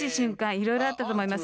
いろいろあったと思います。